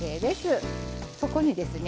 そこにですね